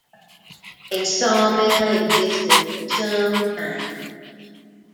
A sawmill existed for some time.